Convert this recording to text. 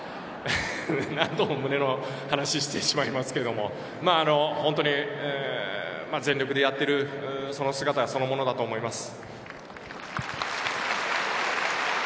何度もムネの話をしてしまいますけども本当に全力でやってくれるその姿そのものだと思います。